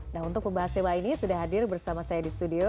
nah untuk membahas tema ini sudah hadir bersama saya di studio